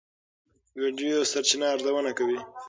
ویډیو سرچینه ارزونه کوي.